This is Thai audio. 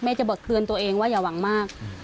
จะบอกเตือนตัวเองว่าอย่าหวังมาก